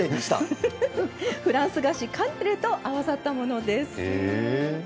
フランス菓子カヌレと合わさったものです。